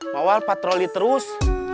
mau wal patroli terus